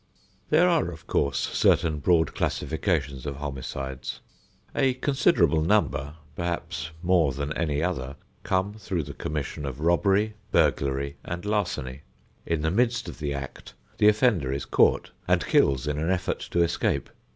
There are, of course, certain broad classifications of homicides. A considerable number, perhaps more than any other, come through the commission of robbery, burglary and larceny. In the midst of the act the offender is caught, and kills in an effort to escape.